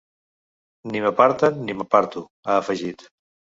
“Ni m’aparten ni m’aparto”, ha afegit.